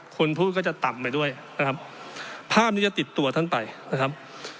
คนพูดก็จะต่ำไปด้วยนะครับภาพนี้จะติดตัวท่านไปนะครับ